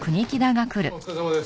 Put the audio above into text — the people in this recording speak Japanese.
あっお疲れさまです。